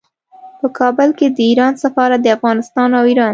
په کابل کې د ایران سفارت د افغانستان او ایران